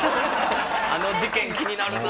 あの事件気になるな。